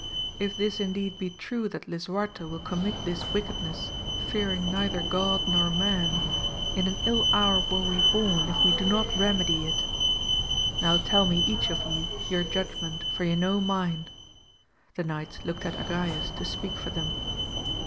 If this indeed be true that Lisuarte will commit this wickedness fearing neither God nor man, in an ill hour were we born if we do not remedy it ! Now tell me each of ye your judge ment, for ye know mine. The knights looked at Agrayes to speak for them.